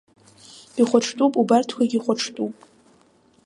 Ихәаҽтәуп, убарҭқәагьы хәаҽтәуп.